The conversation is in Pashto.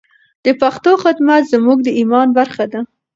د پښتو خدمت زموږ د ایمان برخه ده.